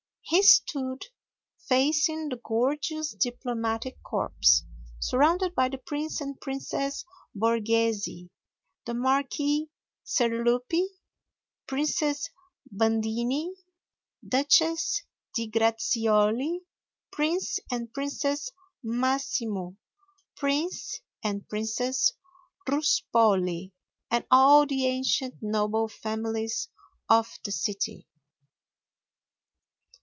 He stood facing the gorgeous Diplomatic Corps, surrounded by the Prince and Princess Borghesi, the Marquis Serlupi, Princess Bandini, Duchess di Grazioli, Prince and Princess Massimo, Prince and Princess Ruspoli, and all the ancient noble families of the city.